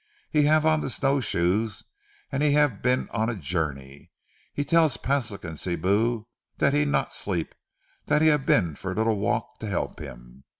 He hav' on ze snowshoes an' he hav' been on a journey. He tell Paslik an' Sibou dat he not sleep, dat he hav' been for little walk to help him.